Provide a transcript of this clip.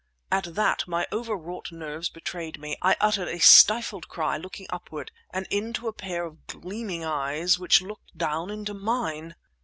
At that my overwrought nerves betrayed me. I uttered a stifled cry, looking upward ... and into a pair of gleaming eyes which looked down into mine!